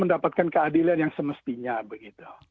mendapatkan keadilan yang semestinya begitu